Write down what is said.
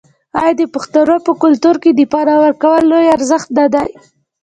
آیا د پښتنو په کلتور کې د پنا ورکول لوی ارزښت نه دی؟